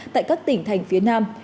tại các tỉnh thành phía nam